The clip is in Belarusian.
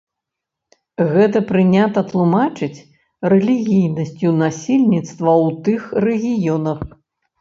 Гэта прынята тлумачыць рэлігійнасцю насельніцтва ў тых рэгіёнах.